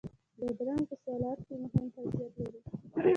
بادرنګ په سلاد کې مهم حیثیت لري.